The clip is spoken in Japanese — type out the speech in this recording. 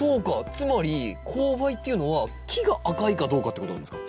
つまり紅梅っていうのは木が赤いかどうかってことなんですか？